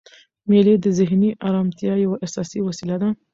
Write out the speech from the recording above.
مېلې د ذهني ارامتیا یوه اساسي وسیله ده.